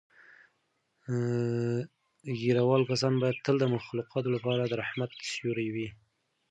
ږیره وال کسان باید تل د مخلوقاتو لپاره د رحمت سیوری وي.